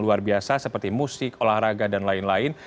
luar biasa seperti musik olahraga dan lain lain